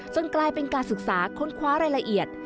กลายเป็นการศึกษาค้นคว้ารายละเอียด